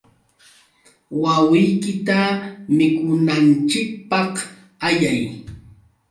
Wawiykita mikunanchikpaq ayay.